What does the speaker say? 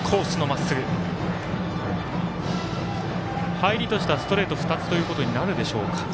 入りとしてはストレート２つということになるでしょうか。